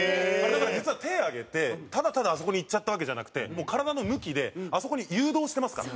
だから、実は、手上げてただただ、あそこに行っちゃったわけじゃなくて体の向きであそこに誘導してますから。